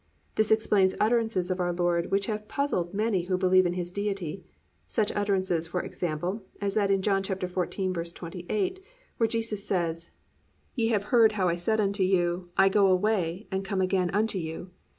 This explains utterances of our Lord which have puzzled many who believe in His Deity, such utterances, for example, as that in John 14:28, where Jesus says, +"Ye have heard how I said unto you, I go away, and come again unto you.